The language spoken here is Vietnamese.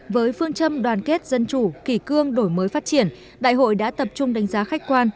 với phương châm đoàn kết dân chủ kỳ cương đổi mới phát triển đại hội đã tập trung đánh giá khách quan